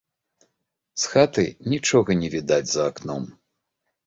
З хаты нічога не відаць за акном.